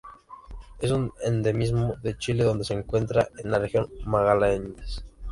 Es un endemismo de Chile donde se encuentra en la Región de Magallanes.